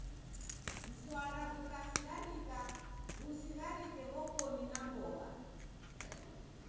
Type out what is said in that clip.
Mswara ghukasigharika, ghusigharike w'okoni na mbogha.